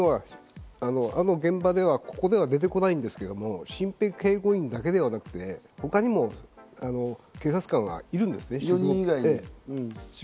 あの現場では、ここでは出てこないんですけれども、身辺警護員だけではなくて、他にも警察官がいるんですね。